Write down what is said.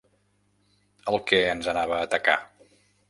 El que ens anava a atacar.